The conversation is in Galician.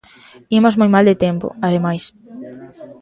Imos moi mal de tempo, ademais.